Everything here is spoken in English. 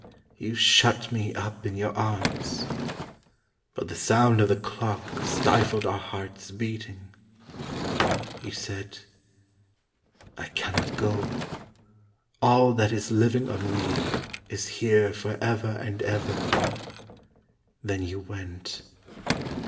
You shut me up in your arms. But the sound of the clock stifled our hearts' beating. You said, "I cannot go: all that is living of me Is here for ever and ever." Then you went.